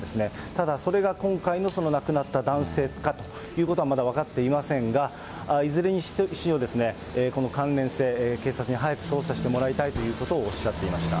ただ、それが今回のその亡くなった男性かということは、まだ分かっていませんが、いずれにしろ、この関連性、警察に早く捜査してもらいたいということをおっしゃっていました。